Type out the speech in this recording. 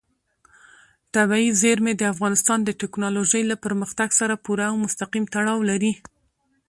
طبیعي زیرمې د افغانستان د تکنالوژۍ له پرمختګ سره پوره او مستقیم تړاو لري.